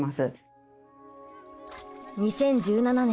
２０１７年